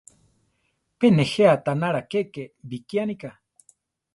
Pe nejé aʼtanála keke bikiánika.